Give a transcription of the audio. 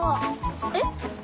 えっ？